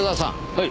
はい。